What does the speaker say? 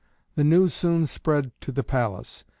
The news soon spread to the palace.